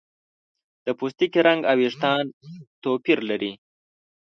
د پوستکي رنګ او ویښتان توپیر لري.